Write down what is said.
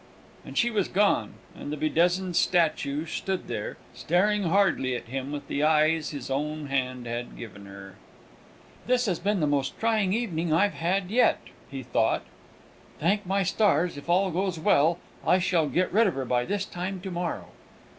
And she was gone, and the bedizened statue stood there, staring hardly at him with the eyes his own hand had given her. "This has been the most trying evening I've had yet," he thought. "Thank my stars, if all goes well, I shall get rid of her by this time to morrow!"